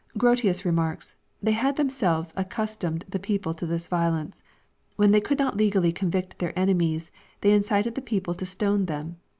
] Grotiua remarks, "They had them selves accustomed the people to this violence. When they could not legally convict their enemies, they incited the people to stone them.